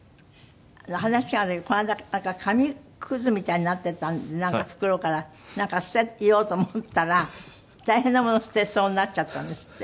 話違うんだけどこの間紙くずみたいになってたなんか袋からなんか捨てようと思ったら大変なものを捨てそうになっちゃったんですって？